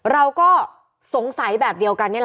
เราก็สงสัยแบบเดียวกัน